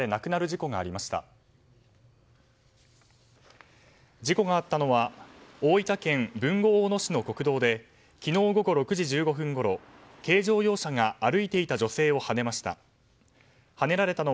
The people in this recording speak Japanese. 事故があったのは大分県豊後大野市の国道で昨日午後６時１５分ごろ軽乗用車が歩いていた女性をはねました。